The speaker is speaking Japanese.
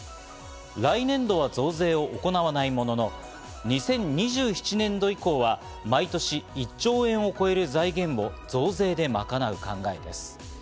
来年度は増税を行わないものの、２０２７年度以降は毎年１兆円を超える財源を増税で賄う考えです。